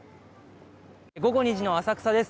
午後２時の浅草です。